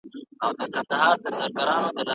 دوی د ملي يووالي لپاره کار کاوه.